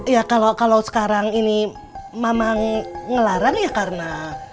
ya kalau sekarang ini mama ngelaran ya karena